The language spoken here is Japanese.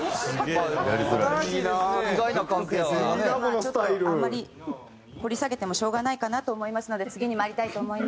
ちょっとあんまり掘り下げてもしょうがないかなと思いますので次にまいりたいと思います。